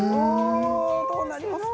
どうなりますか？